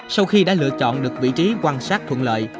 sau khi đã lựa chọn được vị trí quan sát thuận lợi